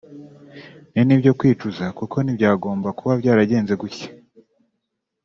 ni n’ibyo kwicuza kuko ntibyagomba kuba byaragenze gutya